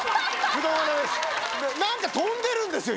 何か飛んでるんですよ